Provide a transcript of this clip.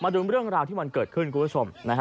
ดูเรื่องราวที่มันเกิดขึ้นคุณผู้ชมนะฮะ